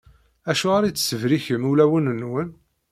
Acuɣer i tessibrikem ulawen-nwen?